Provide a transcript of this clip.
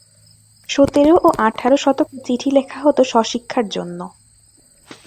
সতের ও আঠারো শতকে চিঠি লেখা হতো স্ব-শিক্ষার জন্য।